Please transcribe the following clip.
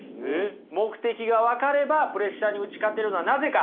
目的が分かればプレッシャーに打ち勝てるのはなぜか。